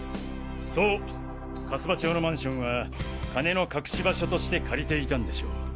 そう粕場町のマンションは金の隠し場所として借りていたんでしょう。